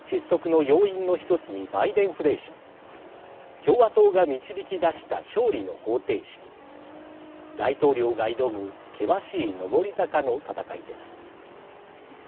失速の要因の１つにバイデンフレーション共和党が導き出した勝利の方程式大統領が挑む険しい上り坂の戦いです。